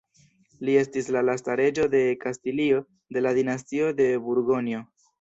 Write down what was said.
Li estis la lasta reĝo de Kastilio de la Dinastio de Burgonjo.